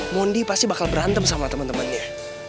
mondi pasti bakal berantem sama temen temennya